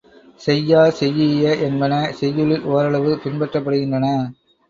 செய்யா, செய்யிய என்பன செய்யுளில் ஓரளவு பின்பற்றப்படுகின்றன.